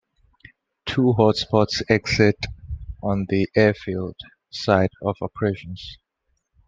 Two hotspots exist on the airfield side of operations.